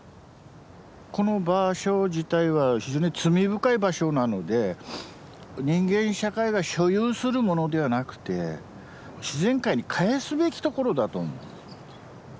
この場所自体は非常に罪深い場所なので人間社会が所有するものではなくて自然界に返すべき所だと思う。